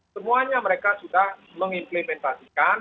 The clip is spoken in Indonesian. semuanya mereka sudah mengimplementasikan